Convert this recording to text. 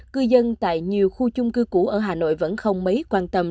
cư dân tại nhiều khu chung cư cũ ở hà nội vẫn không mấy quan tâm